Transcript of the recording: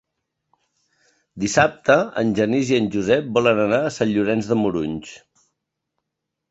Dissabte en Genís i en Josep volen anar a Sant Llorenç de Morunys.